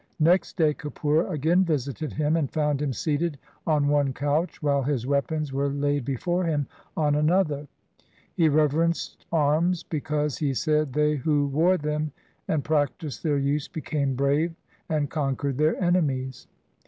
Next day Kapura again visited him and found him seated on one couch, while his weapons were laid before him on another. He reverenced arms because, he said, they who wore them and practised their use became brave and conquered their enemies.